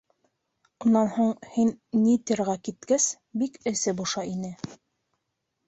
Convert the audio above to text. Унан һуң, һин Нитерға киткәс, бик эсе боша ине.